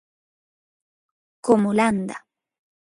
Como Landa.